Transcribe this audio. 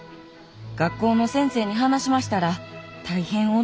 学校の先生に話しましたら大変驚いて。